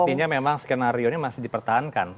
artinya memang skenario ini masih dipertahankan